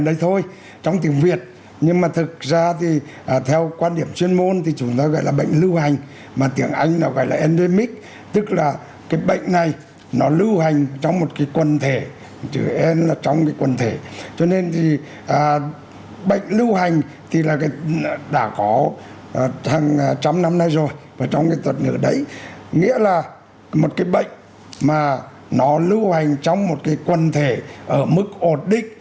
đã có hàng trăm năm nay rồi và trong cái tuần nữa đấy nghĩa là một cái bệnh mà nó lưu hành trong một cái quân thể ở mức ổn định